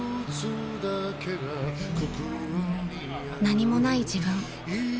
［何もない自分］